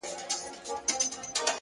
د انغري له خوانه خړې سونډې بيا راغلله,